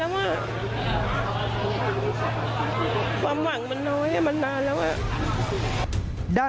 จึงไม่ได้เอดในแม่น้ำ